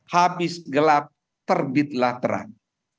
habis gelap terbitlah terang